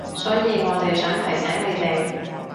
所以我哋想提醒你哋